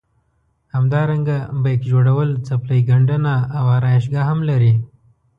همدارنګه بیک جوړول څپلۍ ګنډنه او ارایشګاه هم لري.